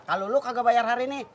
kalau lo kagak bayar hari ini